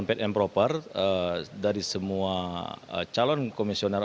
kompeten proper dari semua calon komisioner